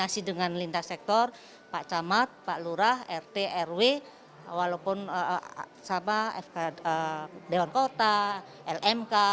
masih dengan lintas sektor pak camat pak lurah rt rw walaupun dewan kota lmk